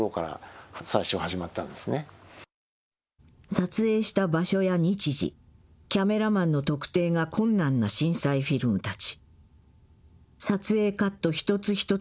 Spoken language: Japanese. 撮影した場所や日時、キャメラマンの特定が困難な震災フィルムたち。